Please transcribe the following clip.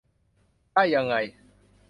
ได้ยังไง